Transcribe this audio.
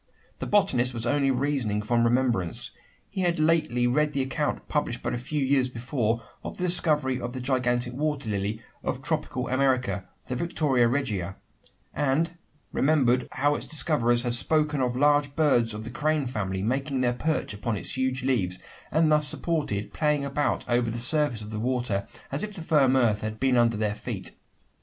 The botanist was only reasoning from remembrance. He had lately read the account published but a few years before of the discovery of the gigantic water lily of tropical America the Victoria Regia and remembered how its discoverers had spoken of large birds of the crane family making their perch upon its huge leaves, and thus supported, playing about over the surface of the water, as if the firm earth had been under their feet.